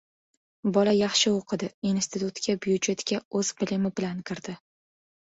Bola yaxshi oʻqidi, institutga byudjetga oʻz bilimi bilan kirdi.